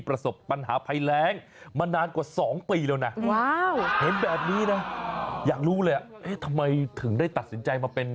ประสบปัญหาภัยแรงมานานกว่า๒ปีแล้วนะเห็นแบบนี้นะอยากรู้เลยเอ๊ะทำไมถึงได้ตัดสินใจมาเป็น